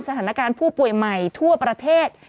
สถานการณ์ผู้ป่วยใหม่ทั่วประเทศ